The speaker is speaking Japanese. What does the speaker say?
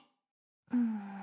うん。